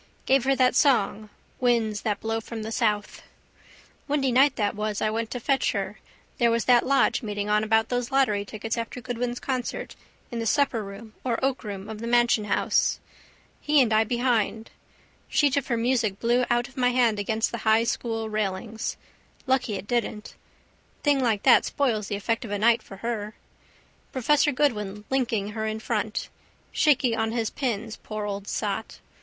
Gave her that song Winds that blow from the south. Windy night that was I went to fetch her there was that lodge meeting on about those lottery tickets after Goodwin's concert in the supperroom or oakroom of the Mansion house. He and I behind. Sheet of her music blew out of my hand against the High school railings. Lucky it didn't. Thing like that spoils the effect of a night for her. Professor Goodwin linking her in front. Shaky on his pins, poor old sot.